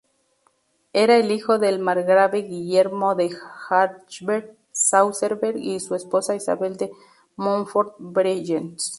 Era el hijo del margrave Guillermo de Hachberg-Sausenberg y su esposa Isabel de Montfort-Bregenz.